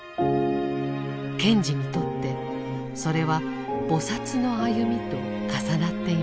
賢治にとってそれは菩の歩みと重なっていました。